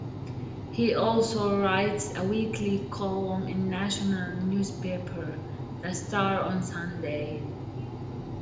He also writes a weekly column in national newspaper, "The Star on Sunday".